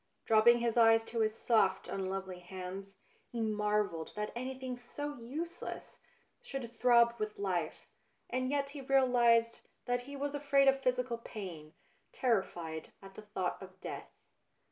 Dropping his eyes to his soft, un lovely hands, he marvelled that anything so useless should throb with life, and yet he realised that he was afraid of physical pain, terrified at the thought of death.